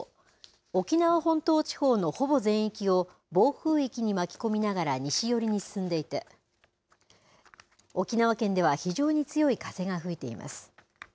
沖縄本島地方のほぼ全域を、暴風域に巻き込みながら西寄りに進んでいて、沖縄県では非常に強い風が吹いています。